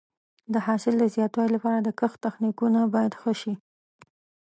د حاصل د زیاتوالي لپاره د کښت تخنیکونه باید ښه شي.